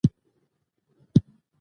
د هوا پیژندنې معلومات څنګه ترلاسه کړم؟